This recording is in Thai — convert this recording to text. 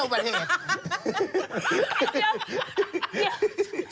๓๔ครั้งอุบัติเหตุ